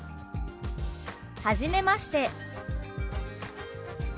「はじめまして」。